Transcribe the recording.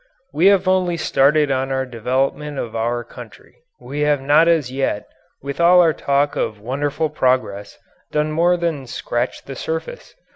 We have only started on our development of our country we have not as yet, with all our talk of wonderful progress, done more than scratch the surface.